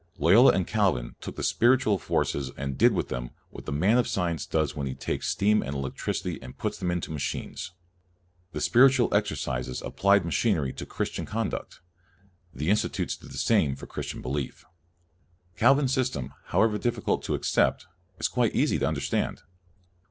Loyola and Calvin took the spiritual forces and did with them what the man of science does when he takes steam and electricity and puts them into CALVIN 105 machines. The Spiritual Exercises ap plied machinery to Christian conduct. The Institutes did the same for Christian belief. Calvin's system, however difficult to ac cept, is quite easy to understand.